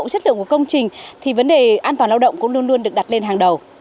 chất lượng của công trình thì vấn đề an toàn lao động cũng luôn luôn được đặt lên hàng đầu